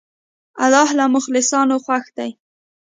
الله له مخلصانو خوښ دی.